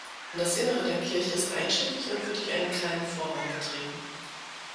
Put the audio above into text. Das Innere der Kirche ist einschiffig und wird durch einen kleinen Vorraum betreten.